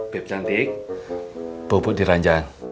beb cantik bobot di ranjang